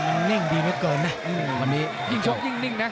มันเน่งดีเมื่อเกินนะวันนี้ชกยิ่งนิ่งนะ